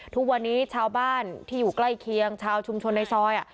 ทุกวันนี้ชาวบ้านที่อยู่ใกล้เคียงชาวชุมชนในซอย